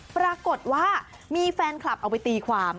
ปรากฏว่ามีแฟนคลับเอาไปตีความ